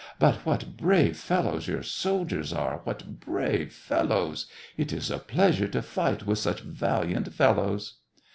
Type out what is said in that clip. But what brave fellows your soldiers are — what brave fellows! It is a pleasure to fight with such valiant fellows."